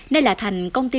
nơi là thành công ty